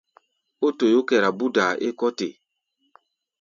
Ó toyó kɛra búdaa é kɔ́ te.